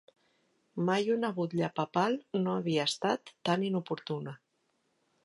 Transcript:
Mai una butlla papal no havia estat tan inoportuna.